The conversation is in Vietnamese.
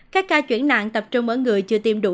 các ca chuyển nạn tập trung ở người chưa tiêm đủ